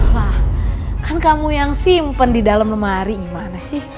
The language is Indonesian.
hah kan kamu yang simpen di dalam lemari gimana sih